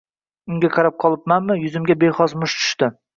Ularga qarab qolibmanmi, yuzimga bexos musht tushdi.